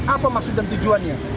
apa maksud dan tujuannya